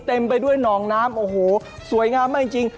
เต็มไปด้วยหนองน้ำโอ้โหสวยงามมากจริง